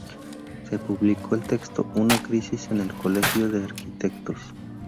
Se publicó el texto "Una Crisis en el Colegio de Arquitectos".